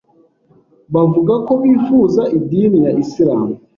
bavuga ko bifuza idini ya Islam